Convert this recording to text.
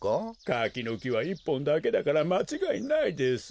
かきのきは１ぽんだけだからまちがいないです。